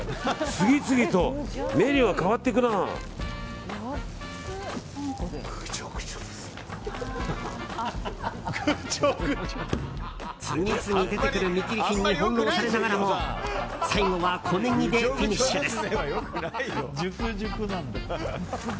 次々出てくる見切り品に翻弄されながらも最後は小ネギでフィニッシュです。